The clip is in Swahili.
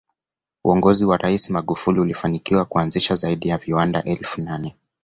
Uongozi wa rais Magufuli ulifanikiwa kuanzisha zaidi ya viwanda elfu nane